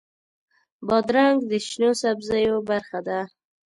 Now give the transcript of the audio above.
بادرنګ د شنو سبزیو برخه ده.